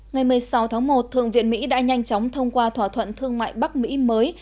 ngày một mươi sáu tháng một thượng viện mỹ đã nhanh chóng thông qua thỏa thuận thương mại bắc mỹ mới